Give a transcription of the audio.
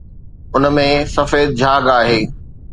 ان ۾ سفيد جھاگ آهي